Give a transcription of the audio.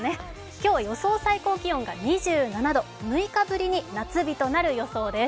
今日、予想最高気温が２７度、６日ぶりに夏日となりそうです。